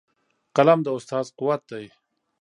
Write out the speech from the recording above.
قلم د استاد قوت دی.